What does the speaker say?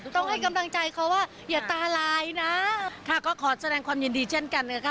ต้องให้กำลังใจเขาว่าอย่าตาร้ายนะค่ะก็ขอแสดงความยินดีเช่นกันนะคะ